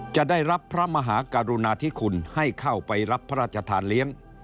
จะได้รับพระมหากรุณาธิคุณให้เข้าไปรับพระราชทานเลี้ยง